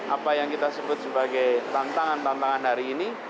apa yang kita sebut sebagai tantangan tantangan hari ini